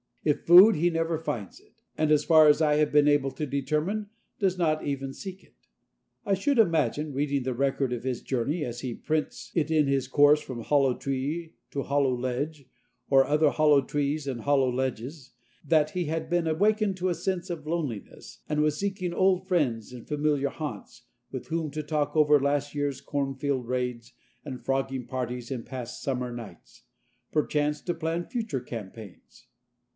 If food, he never finds it, and as far as I have been able to determine, does not even seek it. I should imagine, reading the record of his journey as he prints it in his course from hollow tree or hollow ledge to other hollow trees and hollow ledges, that he had been awakened to a sense of loneliness and was seeking old friends in familiar haunts, with whom to talk over last year's cornfield raids and frogging parties in past summer nights perchance to plan future campaigns.